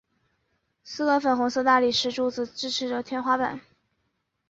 四根粉红色大理石柱子支持着天花板。